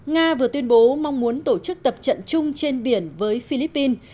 nga vừa tuyên bố mong muốn tổ chức tập trận chung trên biển với philippines